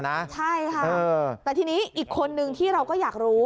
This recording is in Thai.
ใช่ค่ะแต่ทีนี้อีกคนนึงที่เราก็อยากรู้